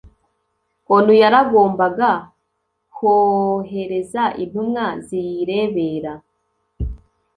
onu yaragombaga kohereza intumwa ziyirebera